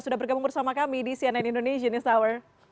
sudah bergabung bersama kami di cnn indonesian news hour